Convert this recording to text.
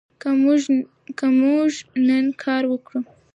که موږ نن کار وکړو.